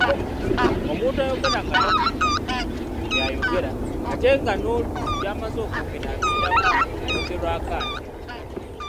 Omuntu ayogera nga takutula by'ayogera ate nga n’oluusi by'amaze okwogera abiddamu ayogerwako atya?